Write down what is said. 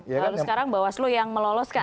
lalu sekarang bawaslu yang meloloskan